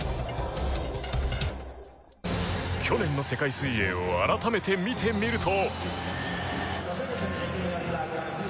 去年の世界水泳を改めて見てみると。